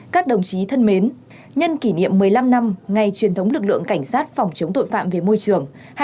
các đồng chí thân mến nhân kỷ niệm một mươi năm năm ngày truyền thống lực lượng cảnh sát phòng chống tội phạm về môi trường